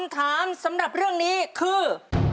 ตรงนี้คือ